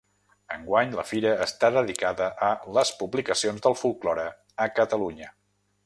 Enguany la fira està dedicada a ‘Les publicacions del folklore a Catalunya’.